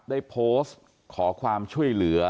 ได้โพสต์ขอความช่วยเหลือ